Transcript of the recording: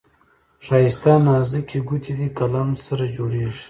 ښايسته نازكي ګوتې دې قلم سره جوړیږي.